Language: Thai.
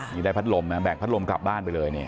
นี่ได้พัดลมนะแกกพัดลมกลับบ้านไปเลยนี่